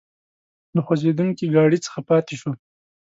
له خوځېدونکي ګاډي څخه پاتې شوو.